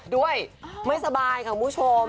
ด้วยไม่สบายค่ะคุณผู้ชม